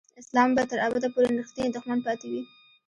اسلام به تر ابده پورې رښتینی دښمن پاتې وي.